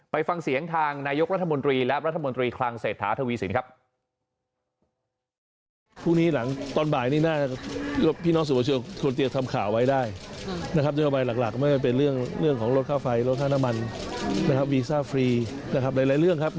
ไปฟังเสียงทางนายกรัฐมนตรีและรัฐมนตรีคลังเศรษฐาทวีสินครับ